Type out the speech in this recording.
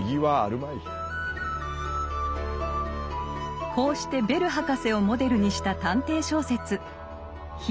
こうしてベル博士をモデルにした探偵小説「緋色の研究」を発表。